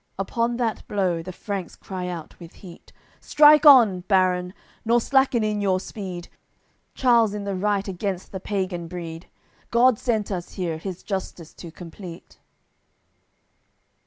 Upon that blow, the Franks cry out with heat: "Strike on, baron, nor slacken in your speed! Charle's in the right against the pagan breed; God sent us here his justice to complete."